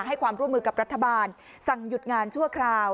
ให้ความร่วมมือกับรัฐบาลสั่งหยุดงานชั่วคราว